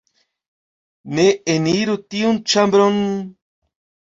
Ne eniru tiun ĉambron...